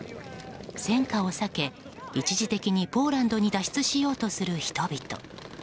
戦火を避け一時的にポーランドに脱出しようとする人々。